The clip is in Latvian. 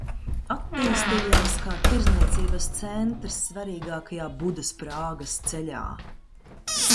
Attīstījās kā tirdzniecības centrs svarīgajā Budas–Prāgas ceļā.